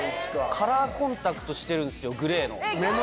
カラーコンタクトしてるんですよグレーの。